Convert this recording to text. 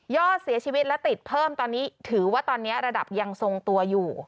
อดเสียชีวิตและติดเพิ่มตอนนี้ถือว่าตอนนี้ระดับยังทรงตัวอยู่